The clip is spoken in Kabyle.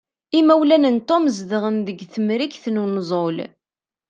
Imawlan n Tom zedɣen deg temrikt n unẓul.